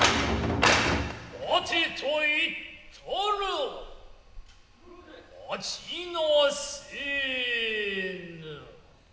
待てと言ったら待ちなせえな。